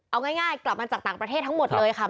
เอาง่ายกลับมาจากต่างประเทศทั้งหมดเลยค่ะ